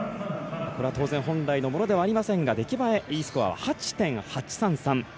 これは当然本来のものではありませんが出来栄え８．８３３。